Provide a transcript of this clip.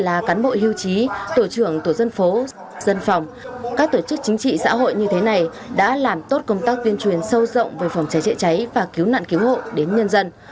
là cán bộ hưu trí tổ trưởng tổ dân phố dân phòng các tổ chức chính trị xã hội như thế này đã làm tốt công tác tuyên truyền sâu rộng về phòng cháy chữa cháy và cứu nạn cứu hộ đến nhân dân